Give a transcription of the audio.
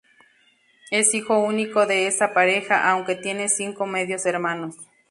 Es hijo único de esa pareja, aunque tiene cinco medios hermanos.